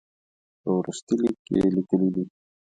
په وروستي لیک کې یې لیکلي دي.